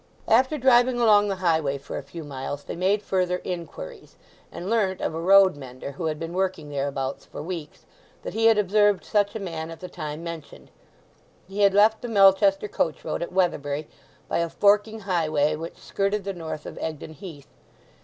After driving along the highway for a few miles they made further inquiries, and learnt of a road mender, who had been working thereabouts for weeks, that he had observed such a man at the time mentioned; he had left the Melchester coachroad at Weatherbury by a forking highway which skirted the north of Egdon Heath.